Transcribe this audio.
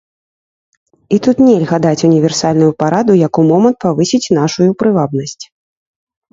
І тут нельга даць універсальную параду, як у момант павысіць нашую прывабнасць.